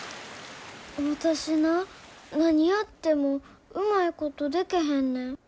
私な何やってもうまいことでけへんねん。